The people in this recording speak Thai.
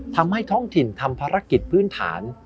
ทำให้ท้องถิ่นทำภารกิจพื้นฐาน